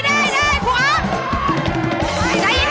ใจเย็น